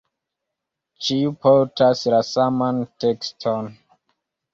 Ĉiu portas la saman tekston.